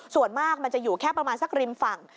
ส่วนมากมันจะอยู่แค่ประมาณสักริมฝั่ง